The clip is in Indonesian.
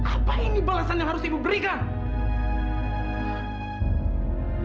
apa ini balasan yang harus ibu berikan